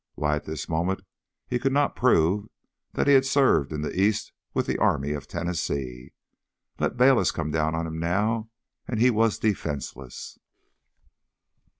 Why, at this moment he could not prove that he had served in the east with the Army of Tennessee. Let Bayliss come down on him now and he was defenseless....